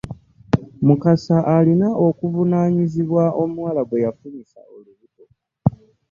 Mukasa alina okuvunaanyizibwa omuwala gweyafunyisa olubuto .